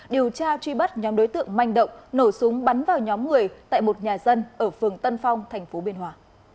điều tra truy bắt nhóm đối tượng manh động nổ súng bắn vào nhóm người tại một nhà dân ở phường tân phong tp biên hòa